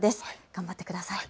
頑張ってください。